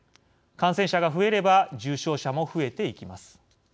感染者が増えれば重症者も増えていきます。